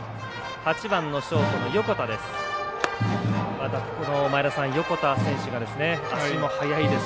８番ショートの横田です。